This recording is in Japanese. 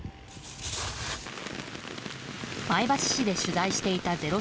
前橋市で取材していた「ｚｅｒｏ」